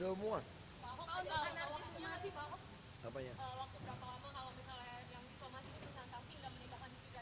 waktu berapa lama kalau misalnya yang disomasi disangkasi